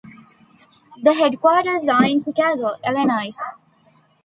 The headquarters are in Chicago, Illinois.